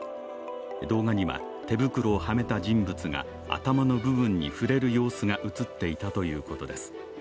動画には手袋をはめた人物が頭の部分に触れる様子が映っていたということです。